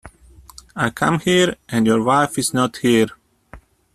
I come here, and your wife is not here.